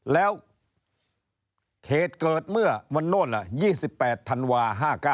แล้วเขตเกิดเมื่อวันโน่นล่ะ๒๘ธันวา๕๙